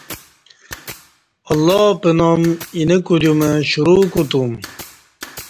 اللہ پنام اینہ کودیوم شروع کوتوم